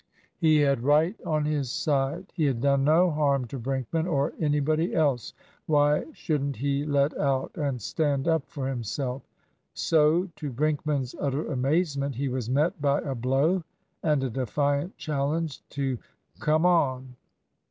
He had right on his side. He had done no harm to Brinkman or anybody else. Why shouldn't he let out, and stand up for himself? So, to Brinkman's utter amazement, he was met by a blow and a defiant challenge to "come on."